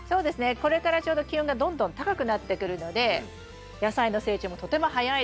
これからちょうど気温がどんどん高くなってくるので野菜の成長もとても早いです。